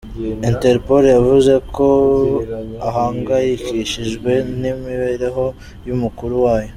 Interpol yavuze ko ihangayikishijwe n'imibereho y'umukuru wayo.